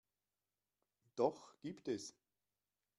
Doch gibt es.